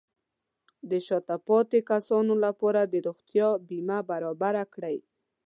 د شاته پاتې کسانو لپاره د روغتیا بیمه برابر کړئ.